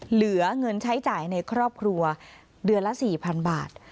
เหลือเงินใช้จ่ายในครอบครัวเดือนละ๔๐๐๐บาท